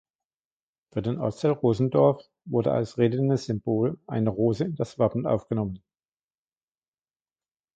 Für den Ortsteil Rosendorf wurde als redendes Symbol eine Rose in das Wappen aufgenommen.